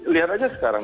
lihat aja sekarang